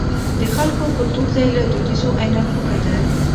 د خلکو او کلتور ته یې له دودیزو عینکو کتل.